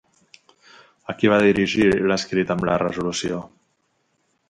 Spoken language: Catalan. A qui va dirigir l'escrit amb la resolució?